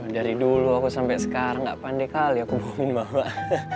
dari dulu aku sampai sekarang gak pandai kali aku bohongin bapak